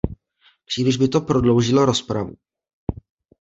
Příliš by to prodloužilo rozpravu.